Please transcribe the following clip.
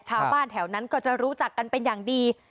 ชาวบ้านแถวนั้นก็จะรู้จักกันเป็นอย่างดี